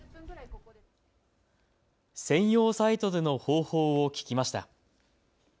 専用サイトでの方法を聞きました。